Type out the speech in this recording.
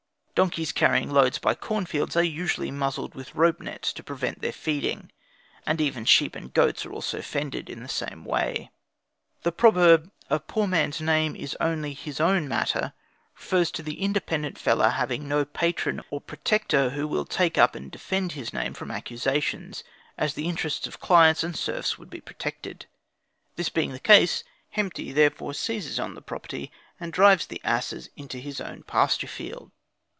Donkeys carrying loads by cornfields are usually muzzled with rope nets, to prevent their feeding; and even sheep and goats are also fended in the same way. The proverb, "A poor man's name is only his own matter," refers to the independent fellah having no patron or protector who will take up and defend his name from accusations, as the interests of clients and serfs would be protected. This being the case, Hemti therefore seizes on the property, and drives the asses into his own pasture field.